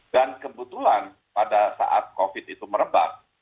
dan kebetulan pada saat covid itu merebak